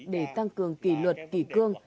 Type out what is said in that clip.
để tăng cường kỷ luật kỷ cương